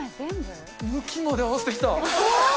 向きまで合わせてきた。